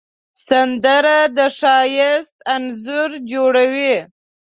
سندره د ښایست انځور جوړوي